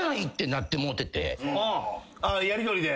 やりとりで。